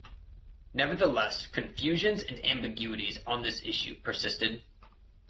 Nevertheless, confusions and ambiguities on this issue persisted.